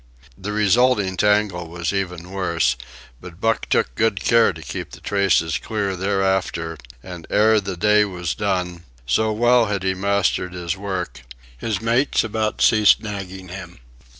The resulting tangle was even worse, but Buck took good care to keep the traces clear thereafter; and ere the day was done, so well had he mastered his work, his mates about ceased nagging him.